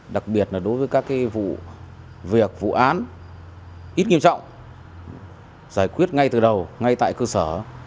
đặc biệt là đối với các vụ việc vụ án ít nghiêm trọng giải quyết ngay từ đầu ngay tại cơ sở